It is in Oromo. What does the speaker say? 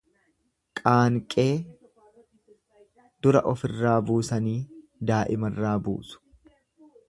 Qaanqee dura ofirraa buusanii daa'imarraa buusu.